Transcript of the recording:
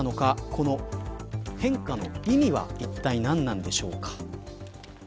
この変化の意味はいったい何なんでしょうか。